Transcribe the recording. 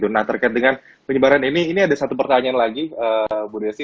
nah terkait dengan penyebaran ini ini ada satu pertanyaan lagi bu desi